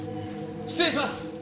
失礼します！